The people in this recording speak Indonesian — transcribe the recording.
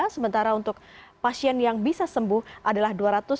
sementara untuk pasien yang bisa sembuh adalah dua ratus sembilan puluh